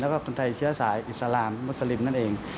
แล้วก็คนไทยเชื้อสายอิสลามมุสลิมนั่นเอง